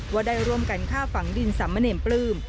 ว่าได้ร่วมกันฆ่าฝังดินสามเณรปลื้ม